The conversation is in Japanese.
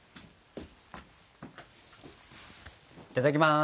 いただきます。